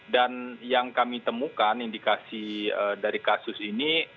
dan yang kami temukan indikasi dari kasus ini